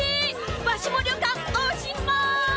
わしも旅館おしまい！